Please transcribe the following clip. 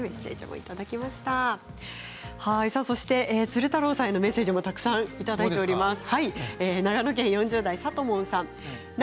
鶴太郎さんへのメッセージもたくさんいただいています。